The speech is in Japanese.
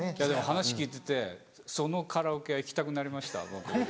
話聞いててそのカラオケ屋行きたくなりました僕。